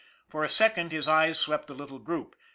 For a second his eyes swept the little group.